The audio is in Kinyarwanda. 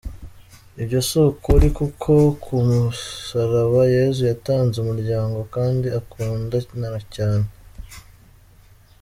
Ibyo si ukuri kuko ku musaraba Yesu yatanze umuryango kandi ukundana cyane!.